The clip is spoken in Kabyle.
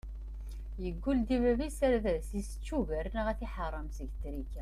Yeggul deg bab-is ar ad t-issečč ugar neɣ ad t-iḥeṛṛem seg trika.